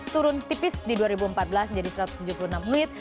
turun tipis di dua ribu empat belas jadi satu ratus tujuh puluh enam unit